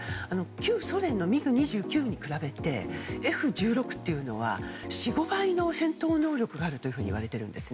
旧ソ連のＭＩＧ２９に比べてＦ１６は４５倍の戦闘能力があるといわれているんです。